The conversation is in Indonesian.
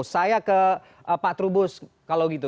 saya ke pak trubus kalau gitu